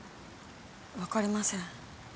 分かりません。